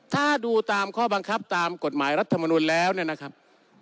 ถ้าดูตามข้อบังคับตามกฎหมายรัฐมนุนแล้วเนี่ยนะครับ